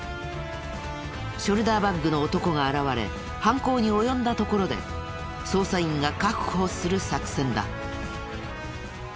ショルダーバッグの男が現れ犯行に及んだところで捜査員が確保する作戦だ。